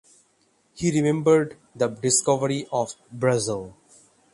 He remembered the discovery of Brazil.